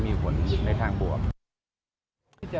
มีผลในทางบวก